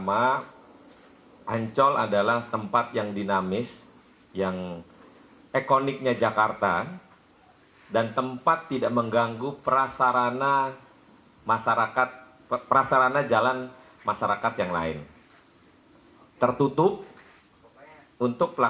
ancol di sini tanggal empat juni dua ribu dua puluh dua